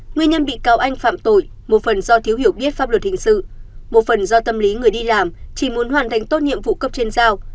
nguyên nhân bị cáo anh phạm tội một phần do thiếu hiểu biết pháp luật hình sự một phần do tâm lý người đi làm chỉ muốn hoàn thành tốt nhiệm vụ cấp trên giao